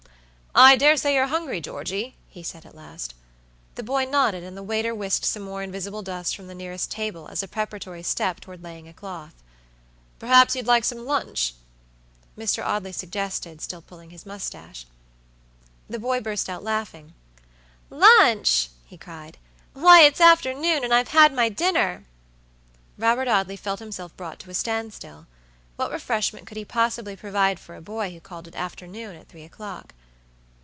"I dare say you're hungry, Georgey?" he said, at last. The boy nodded, and the waiter whisked some more invisible dust from the nearest table as a preparatory step toward laying a cloth. "Perhaps you'd like some lunch?" Mr. Audley suggested, still pulling his mustache. The boy burst out laughing. "Lunch!" he cried. "Why, it's afternoon, and I've had my dinner." Robert Audley felt himself brought to a standstill. What refreshment could he possibly provide for a boy who called it afternoon at three o'clock?